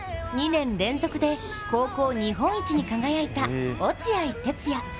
２年連続で高校日本一に輝いた落合哲也。